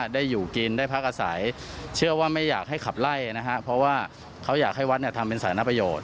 ได้อยู่กินได้พักอาศัยเชื่อว่าไม่อยากให้ขับไล่นะฮะเพราะว่าเขาอยากให้วัดทำเป็นสารณประโยชน